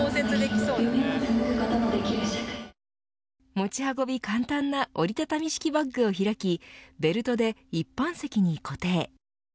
持ち運び簡単な折り畳み式バックを開きベルトで一般席に固定。